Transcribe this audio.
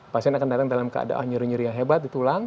pasien akan datang dalam keadaan nyeri nyeri yang hebat di tulang